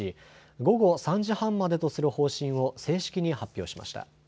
午後３時半までとする方針を正式に発表しました。